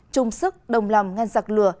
trung sức đồng lòng ngăn giặc lừa